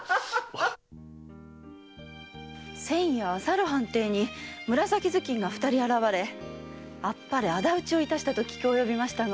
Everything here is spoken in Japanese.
先夜さる藩邸に紫頭巾が二人現れ天晴れ仇討ちをいたしたと聞きおよびましたが。